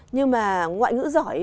nhưng mà ngoại ngữ giỏi